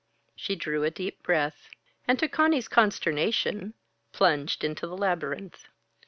She drew a deep breath, and to Conny's consternation, plunged into the labyrinth.